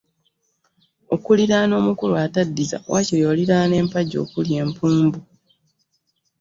Okuliraana omukulu ataddiza waakiri oliraana empagi okuli empumbu.